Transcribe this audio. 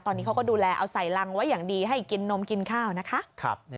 ตอนนี้เขาก็ดูแลเอาใส่รังไว้อย่างดีให้กินนมกินข้าวนะคะ